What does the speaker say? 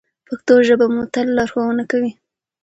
پښتو ژبه به مو تل لارښوونه کوي.